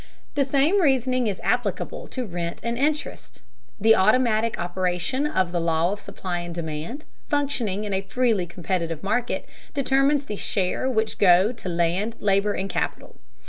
The same reasoning is applicable to rent and interest. The automatic operation of the law of supply and demand, functioning in a freely competitive market, determines the shares which go to land, labor, and capital.